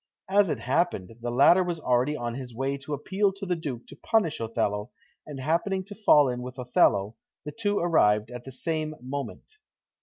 As it happened, the latter was already on his way to appeal to the Duke to punish Othello, and happening to fall in with Othello, the two arrived at the same moment.